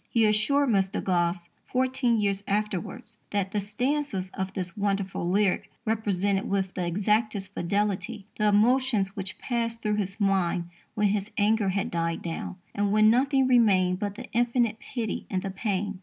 He assured Mr. Gosse, fourteen years afterwards, that "the stanzas of this wonderful lyric represented with the exactest fidelity the emotions which passed through his mind when his anger had died down, and when nothing remained but the infinite pity and the pain."